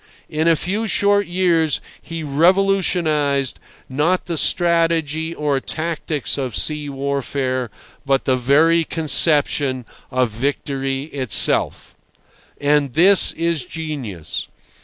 In a few short years he revolutionized, not the strategy or tactics of sea warfare, but the very conception of victory itself. And this is genius.